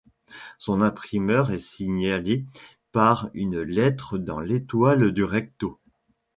Son imprimeur est signalé par une lettre dans l'étoile du recto.